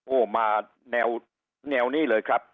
โอ้โหมาแนวนี้เลยครับ